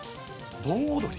盆踊り。